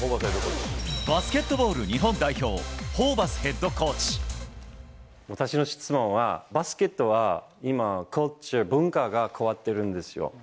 バスケットボール日本代表、私の質問は、バスケットは今、文化が変わってるんですよ。